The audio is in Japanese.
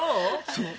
そう？